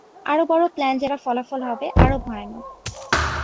আরো বড় প্ল্যান যার ফলাফল হবে আরো ভয়ানক।